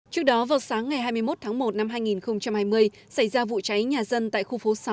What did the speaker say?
trước đó vào sáng ngày hai mươi một tháng một năm hai nghìn hai mươi xảy ra vụ cháy nhà dân tại khu phố sáu